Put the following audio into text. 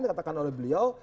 dikatakan oleh beliau